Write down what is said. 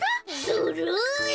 ずるい！